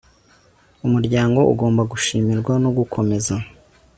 umuryango ugomba gushimirwa no gukomeza